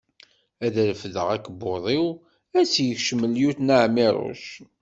Ad refdeɣ akebbuḍ-iw, ad tt-yekcem lyuṭna Ɛmiruc.